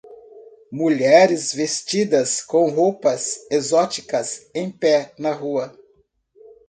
Mulheres vestidas com roupas exóticas em pé na rua